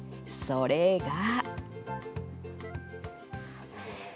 それが。